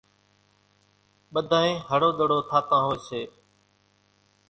ٻڌانئين هڙو ۮڙو ٿاتان هوئيَ سي۔